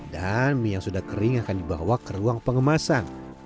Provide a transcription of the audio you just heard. dan mie yang sudah kering akan dibawa ke ruang pengemasan